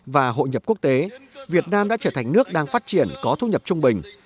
và hội nhập quốc tế việt nam đã trở thành nước đang phát triển có thu nhập trung bình